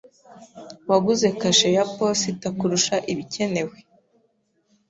Waguze kashe ya posita kuruta ibikenewe. .